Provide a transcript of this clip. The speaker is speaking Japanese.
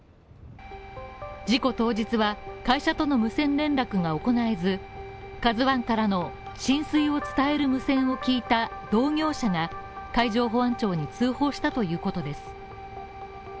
事故当日は、会社との無線連絡が行えず「ＫＡＺＵⅠ」からの浸水を伝える無線を聞いた同業者が海上保安庁に通報したということです。